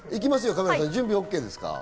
カメラさんＯＫですか？